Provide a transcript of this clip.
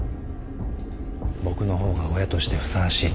僕の方が親としてふさわしいって。